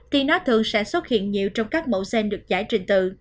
thì nó thường sẽ xuất hiện nhiều trong các mẫu gen được giải trình từ